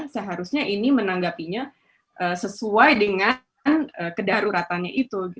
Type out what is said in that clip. seharusnya ini menanggapinya sesuai dengan kedaruratannya itu